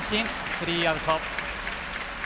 スリーアウト。